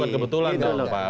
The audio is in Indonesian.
berarti bukan kebetulan dong pak